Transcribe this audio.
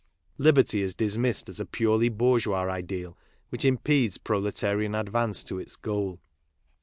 Liberty is dismissed as a purely! bourgeois ideal, which impedes proletarian advance to! its goal.